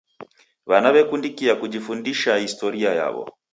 W'ana w'ekundika kujifundisha kuhusu historia yaw'o.